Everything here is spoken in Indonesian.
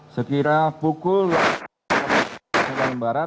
sekira pukul tiga belas tiga puluh wib